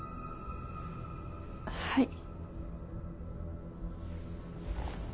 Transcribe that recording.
はい。